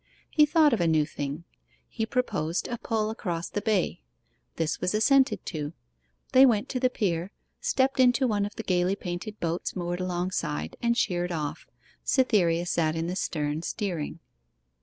He thought of a new thing; he proposed a pull across the bay. This was assented to. They went to the pier; stepped into one of the gaily painted boats moored alongside and sheered off. Cytherea sat in the stern steering.